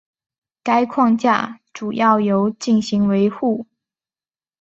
该框架主要由进行维护。